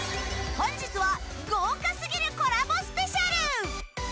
本日は豪華すぎるコラボスペシャル！